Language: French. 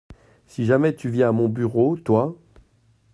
Si jamais tu viens à mon bureau, toi !…